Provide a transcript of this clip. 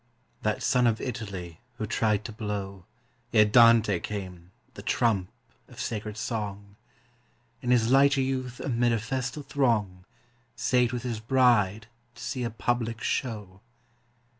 _ That son of Italy who tried to blow, Ere Dante came, the trump of sacred song, In his light youth amid a festal throng Sate with his bride to see a public show.